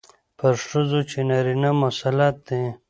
پر ښځو چې نارينه مسلط دي،